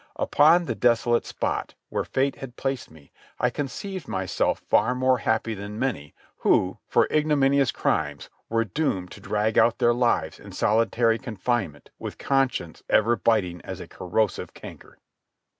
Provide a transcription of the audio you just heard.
Upon the desolate spot, where fate had placed me, I conceived myself far more happy than many, who, for ignominious crimes, were doomed to drag out their lives in solitary confinement with conscience ever biting as a corrosive canker.